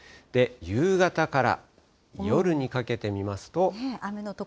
夕方から夜にかけて見ますと。